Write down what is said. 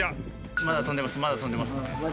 まだ飛んでます、まだ飛んでますね。